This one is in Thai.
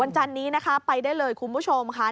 จันนี้นะคะไปได้เลยคุณผู้ชมค่ะ